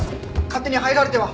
勝手に入られては。